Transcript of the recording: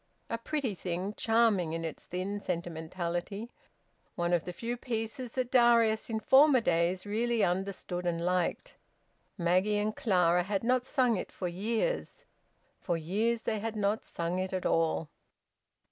A pretty thing, charming in its thin sentimentality; one of the few pieces that Darius in former days really understood and liked. Maggie and Clara had not sung it for years. For years they had not sung it at all.